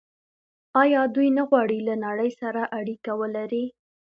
آیا دوی نه غواړي له نړۍ سره اړیکه ولري؟